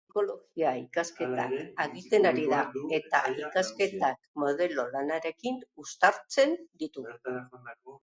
Psikologia ikasketak egiten ari da eta ikasketak modelo lanarekin uztartzen ditu.